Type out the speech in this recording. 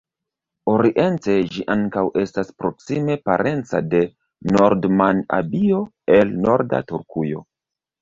Oriente ĝi ankaŭ estas proksime parenca de Nordman-abio el norda Turkujo.